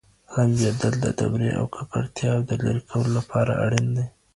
لمبېدل د دوړې او ککړتیاوو د لېرې کولو لپاره اړین دي.